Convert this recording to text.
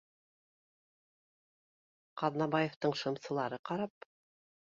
Ҡаҙнабаевтың шымсылары ҡарап